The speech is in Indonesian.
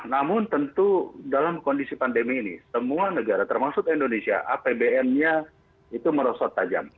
namun tentu dalam kondisi pandemi ini semua negara termasuk indonesia apbn nya itu merosot tajam